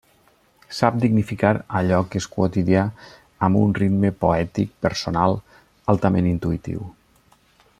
Sap dignificar allò que és quotidià amb un ritme poètic personal, altament intuïtiu.